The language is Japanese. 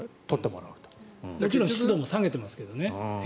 もちろん部屋の湿度も下げてますけどね。